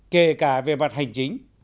kể cả về mặt hành chính